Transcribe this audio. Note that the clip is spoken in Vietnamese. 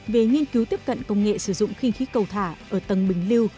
về nghiên cứu tiếp cận công nghệ sử dụng khinh khí cầu thả ở tầng bình lưu